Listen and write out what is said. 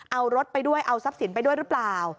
เอารถไปด้วยเอาทรัพย์สินไปด้วยหรือเปล่า